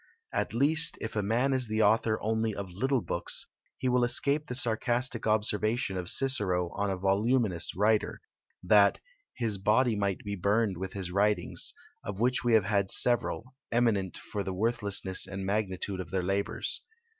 At least, if a man is the author only of little books, he will escape the sarcastic observation of Cicero on a voluminous writer that "his body might be burned with his writings," of which we have had several, eminent for the worthlessness and magnitude of their labours.